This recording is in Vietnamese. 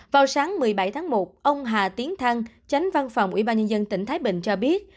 vào sáng một mươi bảy tháng một ông hà tiến thăng tránh văn phòng ủy ban nhân dân tỉnh thái bình cho biết